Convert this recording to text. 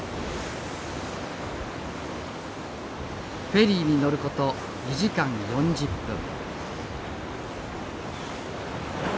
フェリーに乗る事２時間４０分